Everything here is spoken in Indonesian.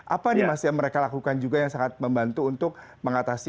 apa nih mas yang mereka lakukan juga yang sangat membantu untuk mengatasi